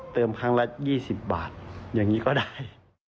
ครั้งละ๒๐บาทอย่างนี้ก็ได้